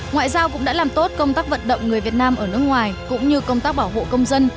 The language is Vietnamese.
ngoại giao cũng đã làm tốt công tác vận động người việt nam ở nước ngoài cũng như công tác bảo hộ công dân